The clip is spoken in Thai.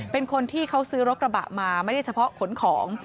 เป็นคนที่เขาซื้อรถกระบะมาไม่ได้เฉพาะขนของ